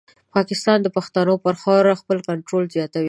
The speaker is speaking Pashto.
پاکستان د پښتنو پر خاوره خپل کنټرول زیاتوي.